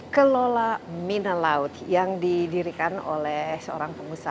kelola mina laut yang didirikan oleh seorang pengusaha